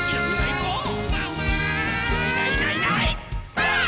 ばあっ！